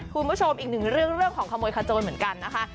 คุณผู้ชมอีกหนึ่งเรื่องเรื่องของขโมยขโจรเหมือนกันนะคะ